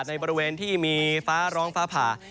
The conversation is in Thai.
ในบริเวณที่มีฟ้าร้องฟ้าผ่า